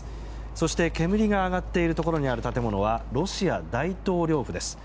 そして、煙が上がっているところにある建物はロシア大統領府です。